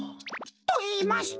といいますと？